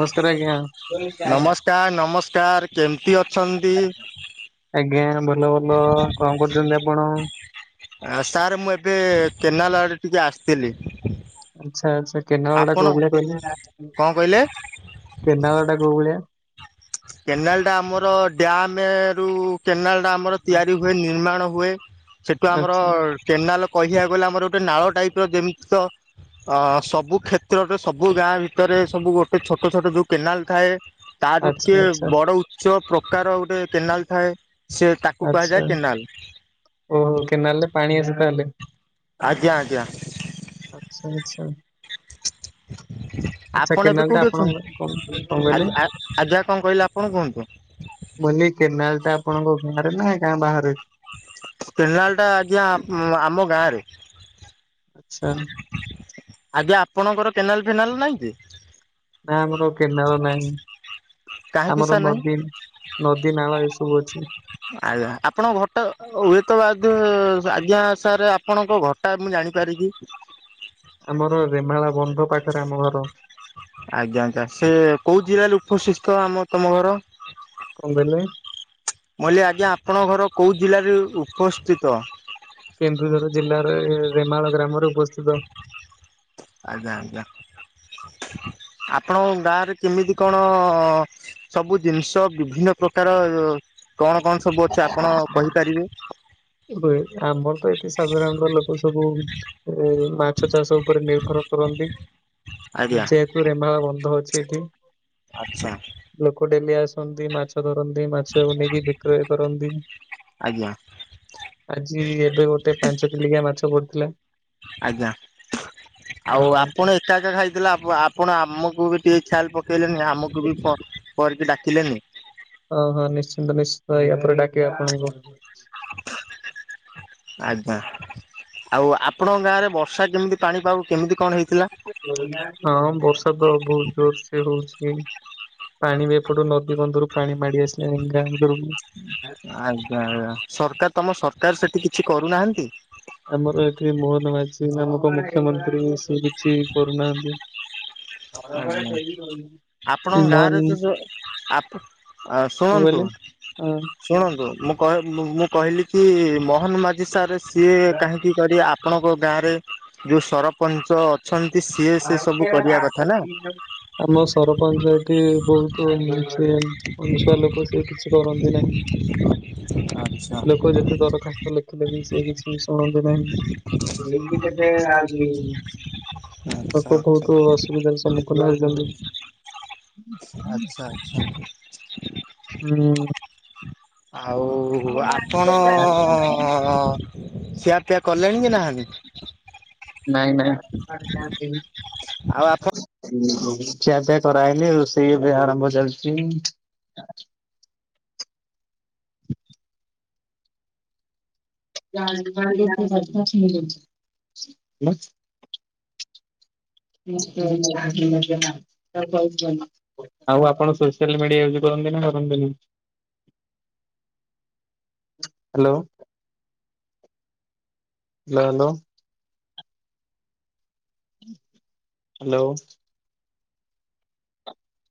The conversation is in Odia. ନମସ୍କାର ଆଜ୍ଞା। ନମସ୍କାର ନମସ୍କାର କେମିତି ଅଛନ୍ତି? ଆଜ୍ଞା, ଭଲ ଭଲ, କଣ କରୁଚନ୍ତି ଆପଣ? ଆ, ସାର୍ ମୁଁ ଏବେ, କେନାଲ ଆଡେ ଟିକେ ଆସିଥିଲି। ଆଛା ଆଛା, କେନାଲ ଆପଣ ଗୋଟା କୋଉଭଳିଆ କହିଲେ, କଣ କହିଲେ? କେନା ଗଟା କୋବଳିଆ? କେନାଲ ଟା ଆମର, ଡ୍ୟାମ ରୁ କେନାଲ ଆମର ତିଆରି ହୁଏ, ନିର୍ମାଣ ହୁଏ, ସେଠୁ ଆମର ଆଚ୍ଛା କେନାଲ କହିବାକୁ ଗଲେ ଆମର ଗୋଟେ ନାଳ ଟାଇପ ର, ଯେମିତି ତ ଅ ସବୁ କ୍ଷେତ୍ରରେ, ସବୁ ଗାଁ ଭିତରେ, ସବୁ ଗୋଟେ ଛୋଟ ଛୋଟ ଯୋଉ କେନାଲ ଥାଏ ତାଠୁ ଟିକେ ଆଚ୍ଛା ଆଚ୍ଛା ବଡ ଉଚ୍ଚ ପ୍ରକାର ଗୋଟେ କେନାଲ ଥାଏ ସେ ତାକୁ ଆଚ୍ଛା କୁହାଯାଏ କେନାଲ। ଓହୋ, କେନାଲ ରେ ପାଣି ଆସେ ତାହେଲେ? ଆଜ୍ଞା, ଆଜ୍ଞା। ଆଛା ଆଛା। ଆପଣ ଏବେ କୋଉଠି ଅଛନ୍ତି? କଣ କହିଲେ? ଆଜ୍ଞା କଣ କହିଲେ, ଆପଣ କୁହନ୍ତୁ? ମୁଁ କହିଲି କେନାଲ ଟା ଆପଣଙ୍କ ଘରେ ନା, ଗାଁ ବାହାରେ? କେନାଲ ଟା ଆଜ୍ଞା, ଆମ ଗାଁ ରେ। ଆଛା। ଆଜ୍ଞା ଆପଣଙ୍କର କେନାଲ ଫେନାଲ ନାହିଁ କି? ନା, ଆମର କେନାଳ ନାହିଁ, କାହିଁକି ଆମର ସାର୍ ନାହିଁ ନଦୀନ ନଦୀ ନାଳ ଏ ସବୁ ଅଛି। ଆଜ୍ଞା, ଆପଣଙ୍କ ଘଟା ହୁଏତ ବା ଆଜ୍ଞା ସାରେ ଆପଣଙ୍କ ଘ ଘରଟା ମୁଁ ଜାଣିପାରେକି? ଆମର ରେମାଳା ବନ୍ଧ ପାଖରେ ଆମ ଘର। ଆଜ୍ଞା ଆଜ୍ଞା, ସେ କୋଉ ଜିଲ୍ଲାରେ ଉପସ୍ଥିତ ଆମ ତମ ଘର? କଣ କହିଲେ? ମୁଁ କହିଲି ଆଜ୍ଞା ଆପଣଙ୍କ ଘର କେୋଉଁ ଜିଲ୍ଲାରେ ଉପସ୍ଥିତ? କେନ୍ଦୁଝର ଜିଲ୍ଲାରେ ରେମାଳ ଗ୍ରାମରେ ଉପସ୍ଥିତ। ଆଜ୍ଞା ଆଜ୍ଞା, ଆପଣ ଗାଁରେ କେମିତି କଣ ସବୁ ଜିନିଷ, ବିଭିନ୍ନ ପ୍ରକାର, କଣ କଣ ସବୁ ଅଛି ଆପଣ କହିପାରିବେ? ହୁଏ, ଆମର ତ ଏତି ସାଧାରଣତହ ଲୋକ ସବୁ ଏ ମାଛ ଚାଷ ଉପରେ ନିର୍ଭର କରନ୍ତି, ଆଜ୍ଞା ଯେହେତୁ ରେମାଳ ବନ୍ଧ ଅଛି ଏଠି। ଆଛା। ଲୋକ ଡେଲି ଆସନ୍ତି, ମାଛ ଧରନ୍ତି, ମା ମାଛ କୁ ନେଇକି ବିକ୍ରୟ କରନ୍ତି। ଆଜ୍ଞା। ଆଜି ଏବେ ଗୋଟେ ପାଞ୍ଚ କିଲିକିଆ ମାଛ ପଡିଥିଲା। ଆଜ୍ଞା ଅ ଆଉ ଆପଣ ଏକା ଏକା ଖାଇଥିଲେ ଆପ ଆପଣ ଆମକୁ ବି କି ଖିଆଲ ପକେଇଲେନି ଆମକୁ ବି କରିକି ଡାକିଲେନି। ହଁ ହଁ ନିଶ୍ଚିନ୍ତ ନିଶ୍ଚିନ୍ତ ୟା ପରେ ଡାକିବି ଆପଣଙ୍କୁ। ଆଜ୍ଞା ଆଉ ଆପଣଙ୍କ ଗାଁରେ ବର୍ଷା କେମିତି ପାଣି ପାଗ କେମିତି କଣ ହେଇ ହଁ ବର୍ଷା ତ ବହୁତ ଜୋରସେ ହଉଛି। ପାଣି ବି ଏପଟୁ ନଦୀ ବନ୍ଧରୁ ପାଣି ମାଡି ଆସିଲାଣି ଗାଁ ଭିତରକୁ। ଆଜ୍ଞା ଆଜ୍ଞା ସରକାର ତମ ସରକାର ସେଠି କିଛି କରୁନାହାନ୍ତି? ଆମର ଏଠି ମୋହନ ମାଝୀ ନାମକ ମୁଖ୍ୟମନ୍ତ୍ରୀ ସିଏ ବି କିଛି କରୁନାହାଁନ୍ତି। ମ କଣ ଆଜ୍ଞା ଆପଣଙ୍କ ଗାଁରେ ସେ ଯୋଉ ଆପ ଆ ଶୁଣନ୍ତୁ କହିଲେ? ହଁ [inaudible] ଶୁଣନ୍ତୁ ମୁଁ କ ମୁଁ କହିଲି କି ମୋହନ ମାଝି ସାର୍ ସିଏ କାହିଁ କି କରି ଆପଣଙ୍କ ଗାଁରେ ଯୋଉ ସର ସରପଞ୍ଚ ଅଛନ୍ତି ସିଏ ସେ ସବୁ କରିବା କଥା ନା। ପଞ୍ଚାୟତି ବହୁତ ମିଲୁଚି ଅଳସୁଆ ଲୋକ ସେ କିଛି କରନ୍ତି ନାହିଁ। ଆଚ୍ଛା ଲୋକ ଯେତେ ଦରଖାସ ତ ଲେଖିଲେ ବି ସେ କିଛି ଶୁଣନ୍ତି ନାହିଁ। ଆଚ୍ଛା ଲୋକ ଆଚ୍ଛା। ବହୁତ ଅସୁବିଧାରେ ସମ୍ମୁଖୀନ ହେଇଛନ୍ତି। ଆଛା ଆଚ୍ଛା। ହୁଁ। ଆଉ ଆପଣ ଅଂ ଅଂ ଖିଆ ପିଆ କଲେଣି କି ନାହାଁନ୍ତି? ନାଇଁ ନାଇଁ। ଆଉ ଆପ ଖିଆ ପିଆ କରାହେଇନି ରୋଷେଇ ଏବେ ଆରମ୍ଭ ଚାଲିଚି। ାର ମି [inaudible] ହ ହହୁ [inaudible] ଆଉ ଆପଣ ସୋସିଆଲ ମିଡିଆ ୟୁଜ କରନ୍ତି ନା କରନ୍ତିନି? ହ୍ୟାଲୋ। Hello hello. ହ୍ୟାଲୋ।